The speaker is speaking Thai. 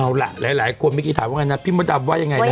เอาล่ะหลายคนเมื่อกี้ถามว่าไงนะพี่มดดำว่ายังไงนะ